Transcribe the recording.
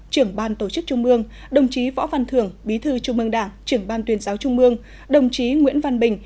trưởng ban tổ chức trung mương đồng chí võ văn thường bí thư trung mương đảng trưởng ban tuyên giáo trung mương đồng chí nguyễn văn bình